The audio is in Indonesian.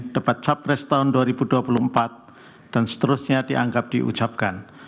debat capres tahun dua ribu dua puluh empat dan seterusnya dianggap diucapkan